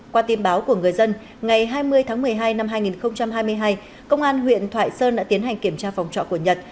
qua tin báo của người dân ngày hai mươi tháng một mươi hai năm hai nghìn hai mươi hai công an huyện thoại sơn đã tiến hành kiểm tra phòng trọ của nhật